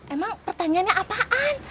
emang pertanyaannya apaan